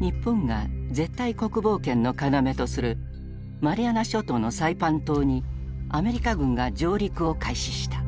日本が絶対国防圏の要とするマリアナ諸島のサイパン島にアメリカ軍が上陸を開始した。